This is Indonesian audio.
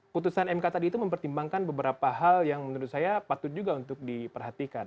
putusan mk tadi itu mempertimbangkan beberapa hal yang menurut saya patut juga untuk diperhatikan